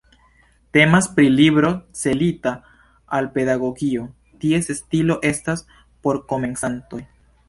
Temas pri libro celita al pedagogio, ties stilo estas por komencantoj.